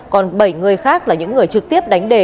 còn bảy người khác là những người trực tiếp đánh đề